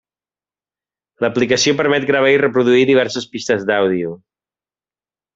L'aplicació permet gravar i reproduir diverses pistes d'àudio.